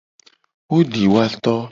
Wo di woa to.